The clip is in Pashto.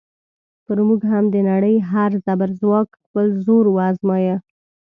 پر موږ هم د نړۍ هر زبرځواک خپل زور ازمایه.